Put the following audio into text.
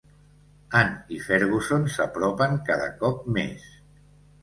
Ann i Ferguson s'apropen cada cop més.